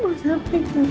mau sampai ke tempat